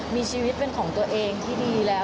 มีชีวิตเป็นของตัวเองที่ดีแล้ว